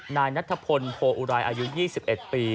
นายนัทพลโพอุรายอายุ๒๑ปี